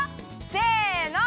せの。